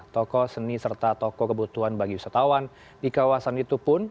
toko seni serta toko kebutuhan bagi wisatawan di kawasan itu pun